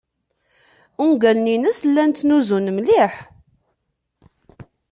Ungalen-nnes llan tnusun mliḥ.